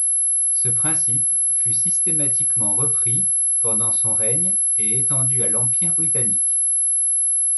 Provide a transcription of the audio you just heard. Ce principe fut systématiquement repris pendant son règne et étendu à l'Empire britannique.